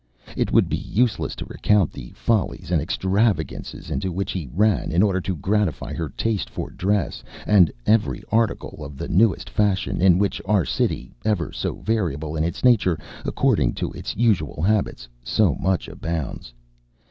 It would be useless to recount the follies and extravagancies into which he ran in order to gratify her taste for dress, and every article of the newest fashion, in which our city, ever so variable in its nature, according to its usual habits, so much abounds.